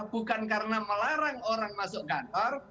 bukan karena melarang orang masuk kantor